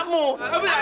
aduh aduh aduh